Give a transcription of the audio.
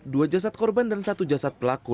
dua jasad korban dan satu jasad pelaku